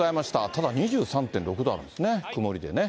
ただ、２３．６度あるんですね、曇りでね。